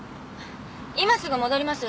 今すぐ戻ります！